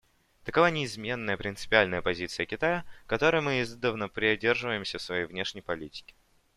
Такова неизменная, принципиальная позиция Китая, которой мы издавна придерживаемся в своей внешней политике.